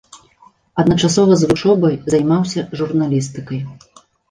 Адначасова з вучобай займаўся журналістыкай.